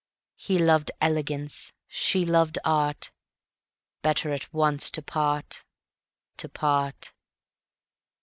He loved elegance, she loved art, Better at once to part, to part.